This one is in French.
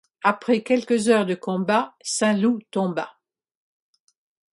Après quelques heures de combat, Saint-Loup tomba.